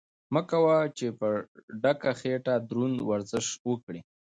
مه کوه چې په ډکه خېټه دروند ورزش وکړې.